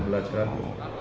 belum ada banget